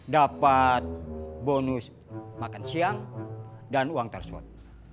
dapat bonus makan siang dan uang tersot